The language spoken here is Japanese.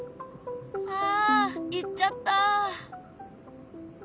あ行っちゃった。